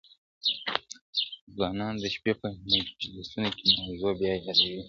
ځوانان د شپې په مجلسونو کي موضوع بيا يادوي,